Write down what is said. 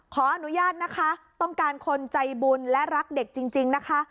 ขออนุญาตนะคะต้องการคนใจบุญและรักเด็กจริงนะคะ